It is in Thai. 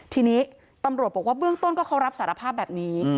ทีนี้ตำรวจบอกว่าเบื้องต้นก็เขารับสารภาพแบบนี้